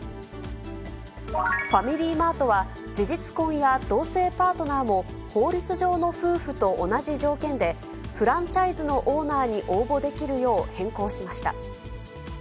ファミリーマートは、事実婚や同性パートナーも法律上の夫婦と同じ条件で、フランチャイズのオーナーに応募できるよう変更しました。